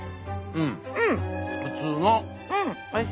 うん。